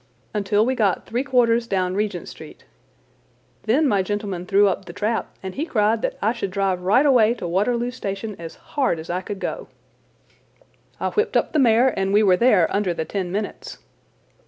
"Until we got three quarters down Regent Street. Then my gentleman threw up the trap, and he cried that I should drive right away to Waterloo Station as hard as I could go. I whipped up the mare and we were there under the ten minutes.